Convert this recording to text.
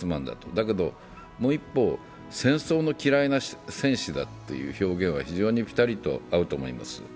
だけど、もう一方、戦争の嫌いな戦士だという表現は非常にぴたりと合うと思います。